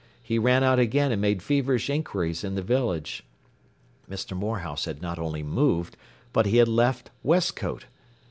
He ran out again and made feverish inquiries in the village. Mr. Morehouse had not only moved, but he had left Westcote.